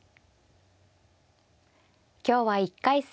今日は１回戦